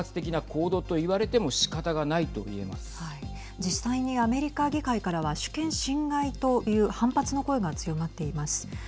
実際にアメリカ議会からは主権侵害という反発の声が強まっています。